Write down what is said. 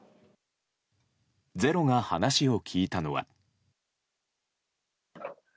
「ｚｅｒｏ」が話を聞いたのは。